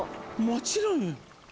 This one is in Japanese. もちろんよ。